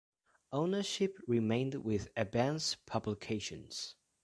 Ownership remained with Advance Publications.